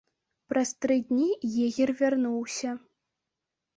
Праз тры дні егер вярнуўся.